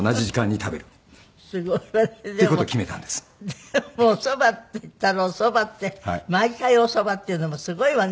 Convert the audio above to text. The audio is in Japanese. でもおそばっていったらおそばって毎回おそばっていうのもすごいわね。